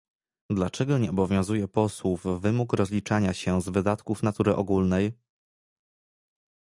Dlaczego nie obowiązuje posłów wymóg rozliczania się z wydatków natury ogólnej?